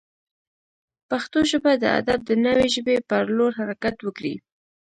پښتو ژبه د ادب د نوې ژبې پر لور حرکت وکړي.